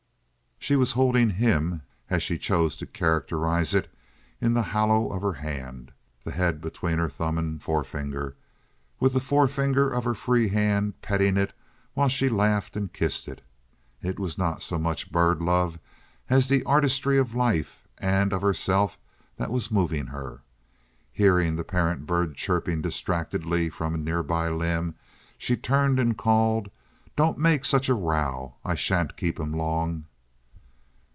She was holding "him," as she chose to characterize it, in the hollow of her hand, the head between her thumb and forefinger, with the forefinger of her free hand petting it the while she laughed and kissed it. It was not so much bird love as the artistry of life and of herself that was moving her. Hearing the parent bird chirping distractedly from a nearby limb, she turned and called: "Don't make such a row! I sha'n't keep him long."